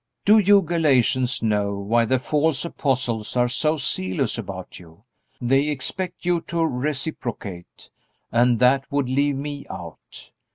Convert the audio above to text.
"Do you Galatians know why the false apostles are so zealous about you? They expect you to reciprocate. And that would leave me out.